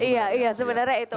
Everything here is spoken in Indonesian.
iya iya sebenarnya itu